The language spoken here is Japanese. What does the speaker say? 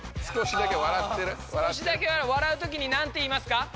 少しだけ笑うときになんて言いますか？